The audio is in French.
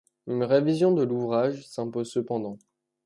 Une révision de l’ouvrage s’impose cependant.